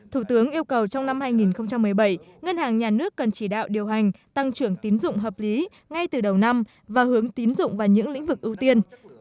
thủ tướng yêu cầu trong năm hai nghìn một mươi bảy ngân hàng nhà nước cần chỉ đạo điều hành tăng trưởng tín dụng hợp lý ngay từ đầu năm và hướng tín dụng vào những lĩnh vực ưu tiên